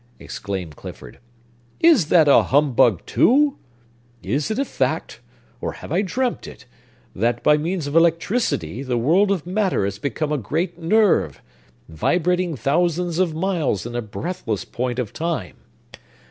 exclaimed Clifford. "Is that a humbug, too? Is it a fact—or have I dreamt it—that, by means of electricity, the world of matter has become a great nerve, vibrating thousands of miles in a breathless point of time?